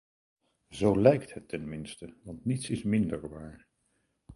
Zo lijkt het tenminste, want niets is minder waar.